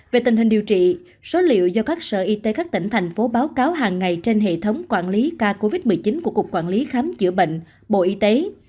về tình hình điều trị số liệu do các sở y tế các tỉnh thành phố báo cáo hàng ngày trên hệ thống quản lý ca covid một mươi chín của cục quản lý khám chữa bệnh bộ y tế